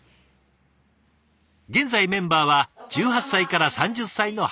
現在メンバーは１８歳から３０歳の８人。